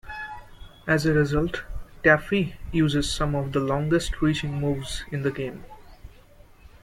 As a result, Taffy uses some of the longest-reaching moves in the game.